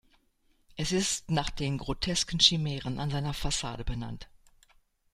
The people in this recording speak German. Es ist nach den grotesken Chimären an seiner Fassade benannt.